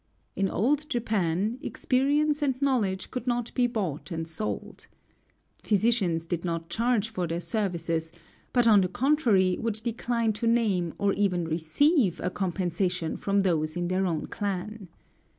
In old Japan, experience and knowledge could not be bought and sold. Physicians did not charge for their services, but on the contrary would decline to name or even receive a compensation from those in their own clan.